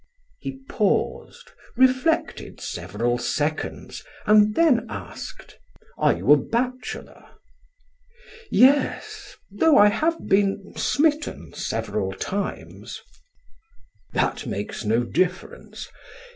He paused, reflected several seconds and then asked: "Are you a bachelor?" "Yes, though I have been smitten several times." "That makes no difference.